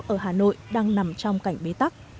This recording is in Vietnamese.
ở hà nội đang nằm trong cảnh bế tắc